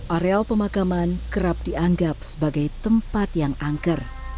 areal pemakaman kerap dianggap sebagai tempat yang angker